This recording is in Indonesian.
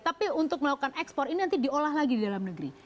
tapi untuk melakukan ekspor ini nanti diolah lagi di dalam negeri